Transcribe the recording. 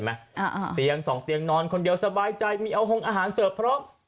เตียงสองเตียงนอนคนเดียวสบายใจมีเอาหงอาหารเสิร์ฟพร้อม